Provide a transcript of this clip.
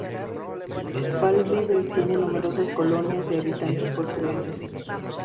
Fall River tiene numerosas colonias de habitantes portugueses.